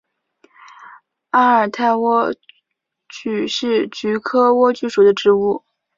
阿尔泰莴苣是菊科莴苣属的植物。